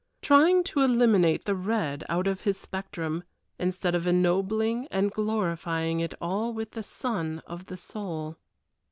Trying to eliminate the red out of His spectrum, instead of ennobling and glorifying it all with the Sun of the Soul.